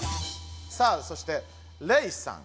さあそしてレイさん。